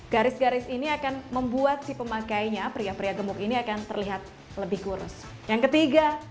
garis garis ini akan membuat si pemakainya pria pria gemuk ini akan terlihat lebih kurus yang ketiga